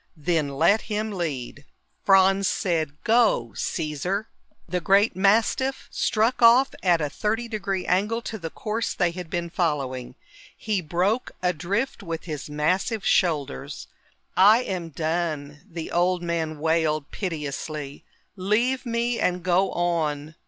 "Then let him lead." Franz said, "Go, Caesar." The great mastiff struck off at a thirty degree angle to the course they had been following. He broke a drift with his massive shoulders. "I am done," the old man wailed piteously. "Leave me and go on."